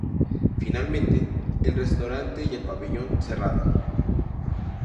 Finalmente, el restaurante y el Pabellón cerraron.